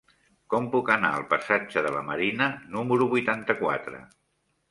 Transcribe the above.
Com puc anar al passatge de la Marina número vuitanta-quatre?